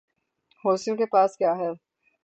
حوثیوں کے پاس کیا ہے؟